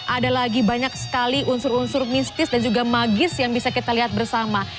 ada lagi banyak sekali unsur unsur mistis dan juga magis yang bisa kita lihat bersama